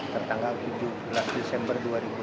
tertanggal tujuh belas desember dua ribu delapan belas